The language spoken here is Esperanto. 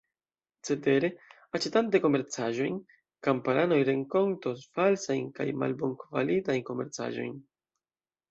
Cetere, aĉetante komercaĵojn, kamparanoj renkontos falsajn kaj malbonkvalitajn komercaĵojn.